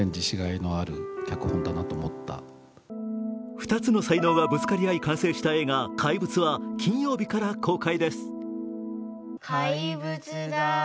２つの才能がぶつかり合い完成した映画「怪物」は金曜日から公開です。